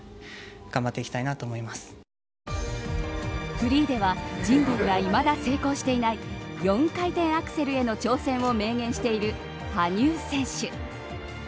フリーでは人類がいまだ成功していない４回転アクセルへの挑戦を明言している羽生選手。